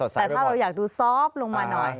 แต่ถ้าเราอยากดูซอฟต์ลงมาหน่อย